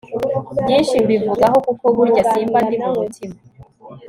byinshi mbivugaho kuko burya simba ndi mu mutima